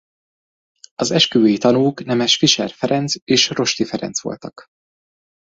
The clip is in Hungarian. Az esküvői tanúk nemes Fischer Ferenc és Rosty Ferenc voltak.